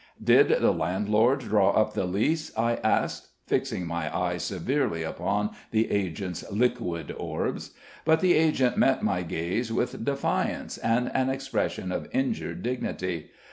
"Did the landlord draw up the lease?" I asked, fixing my eye severely upon the agent's liquid orbs. But the agent met my gaze with defiance and an expression of injured dignity.